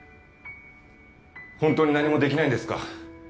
本当に何もできないんですか？